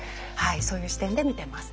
そういう視点で見てます。